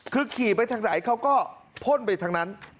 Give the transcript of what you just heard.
คือขี่ไปทางไหนเขาก็พ่นไปทางนั้น